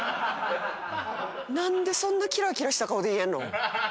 何でそんなキラキラした顔で言えんの？